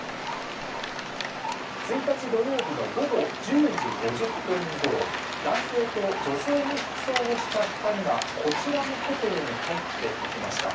１日、土曜日の午後１０時５０分ごろ男性と女性の服装をした２人がこちらのホテルに入っていきました。